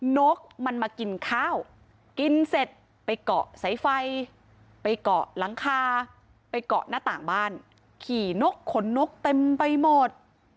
นกมันมากินข้าวกินเสร็จไปเกาะสายไฟไปเกาะหลังคาไปเกาะหน้าต่างบ้านขี่นกขนนกเต็มไปหมด